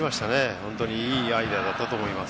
本当にいいアイデアだったと思います。